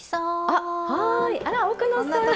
あら奥野さん。